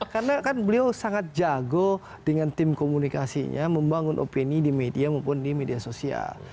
karena kan beliau sangat jago dengan tim komunikasinya membangun opini di media maupun di media sosial